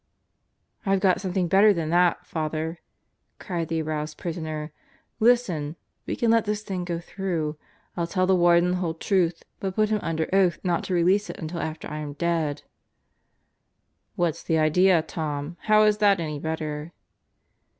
"I've got something better than that, Father 1" cried the aroused prisoner. "Listen. We can let this thing go through. Ill tell the Warden the whole truth but put him under oath not to release it until after I am dead." "What's the idea, Tom? How is that any better."